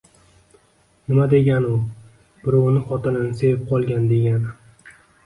Nima degani u, birovning xotinini sevib qolgan degani